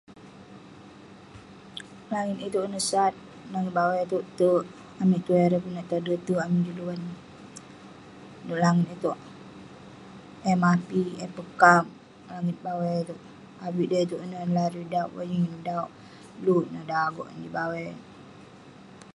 Langit itouk ineh sat, langit bawai itouk terk. Amik tuai erei pun nek toder terk amik jin luan, ne'uk langit itouk. Eh mapik, eh pekam langit bawai itouk. Avik dai'touk ineh larui da'uk bonying neh, da'uk lurk neh, da'uk agok neh jin bawai.